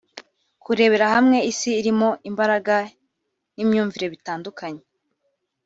kurebera hamwe Isi irimo imbaraga n’imyumvire bitandukanye